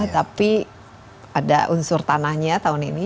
tapi ada unsur tanahnya tahun ini